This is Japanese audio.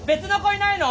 いないの？